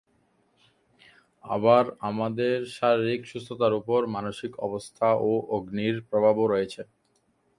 আবার আমাদের শারীরিক সুস্থতার উপর মানসিক অবস্থা ও অগ্নির প্রভাবও আছে।